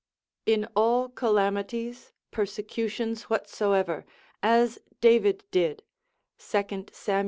In all calamities, persecutions whatsoever, as David did, 2 Sam.